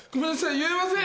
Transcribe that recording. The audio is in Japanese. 言えません！